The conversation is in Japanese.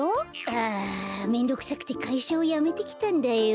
ああめんどくさくてかいしゃをやめてきたんだよ。